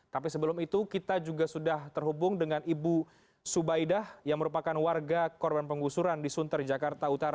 tapi sebelum itu kita juga sudah terhubung dengan ibu subaidah yang merupakan warga korban penggusuran di sunter jakarta utara